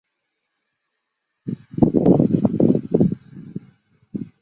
美国国家飓风中心根据这些信息将系统归类成热带低气压。